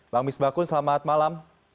bang misbakun selamat malam